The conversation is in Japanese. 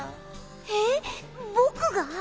えっぼくが？